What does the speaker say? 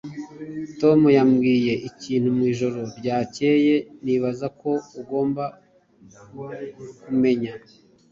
tom yambwiye ikintu mu ijoro ryakeye nibaza ko ugomba kumenya